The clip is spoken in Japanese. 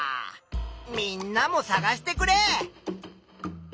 みんなもさがしてくれ。